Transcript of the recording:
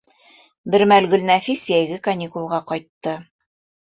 Бер мәл Гөлнәфис йәйге каникулға ҡайтты.